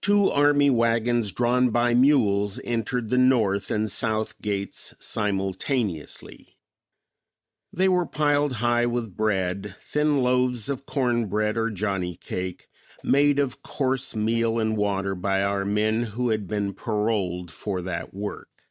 Two army wagons drawn by mules entered the north and south gates simultaneously. They were piled high with bread, thin loaves of corn bread or Johnny cake, made of coarse meal and water by our men who had been paroled for that work.